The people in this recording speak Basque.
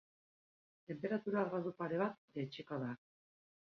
Tenperatura gradu pare bat jaitsiko da.